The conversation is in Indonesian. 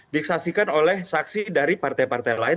disaksikan oleh saksi dari partai partai lain